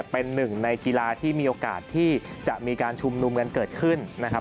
เป็นหนึ่งในกีฬาที่มีโอกาสที่จะมีการชุมนุมกันเกิดขึ้นนะครับ